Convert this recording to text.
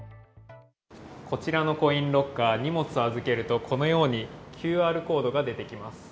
こちらのコインロッカー、荷物を預けると、このように、ＱＲコードが出てきます。